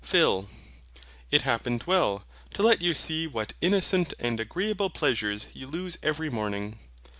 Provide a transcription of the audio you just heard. PHIL. It happened well, to let you see what innocent and agreeable pleasures you lose every morning.